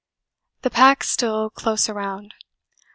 The pack still close around.